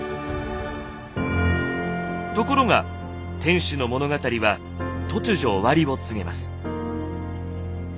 ところが天守の物語は突如終わりを告げます。